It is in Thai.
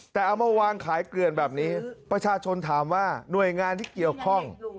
แต่เอามาวางขายเกลือนแบบนี้ประชาชนถามว่าหน่วยงานที่เกี่ยวข้อง